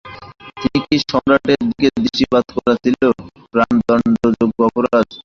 এমন কি সম্রাটের দিকে দৃষ্টিপাত করা ছিল প্রাণদণ্ডযোগ্য অপরাধ।